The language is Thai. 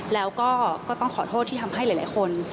แล้วก็ก็ต้องขอโทษที่ทำให้หลายคน